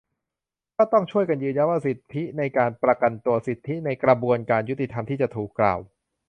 ก็ต้องช่วยกันยืนยันว่า สิทธิในการประกันตัว สิทธิในกระบวนการยุติธรรมที่จะถูกกล่าว